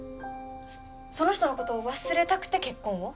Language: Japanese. その人のことを忘れたくて結婚を？